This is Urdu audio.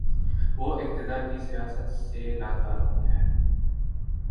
وہ اقتدار کی سیاست سے لاتعلق ہے۔